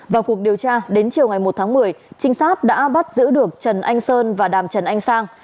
vào cuộc điều tra đến chiều ngày một tháng một mươi trinh sát đã bắt giữ được trần anh sơn và đàm trần anh sang